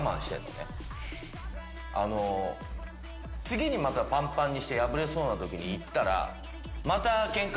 次にまたパンパンにして破れそうなときに言ったら。